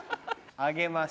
あげます。